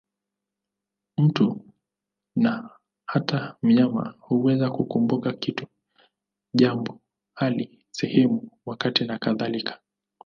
Mtu, na hata mnyama, huweza kukumbuka kitu, jambo, hali, sehemu, wakati nakadhalika.